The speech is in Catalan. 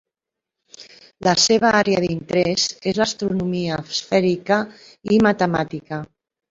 La seva àrea d'interès és l'astronomia esfèrica i matemàtica.